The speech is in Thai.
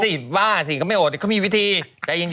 ไม่สิบ้าสิก็ไม่อดมีวิธีใจเย็น